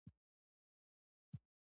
زه نه پوهېږم چې څه جواب ورکړم